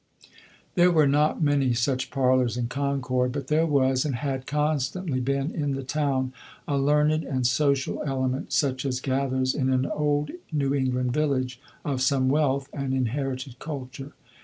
There were not many such parlors in Concord, but there was and had constantly been in the town a learned and social element, such as gathers in an old New England village of some wealth and inherited culture.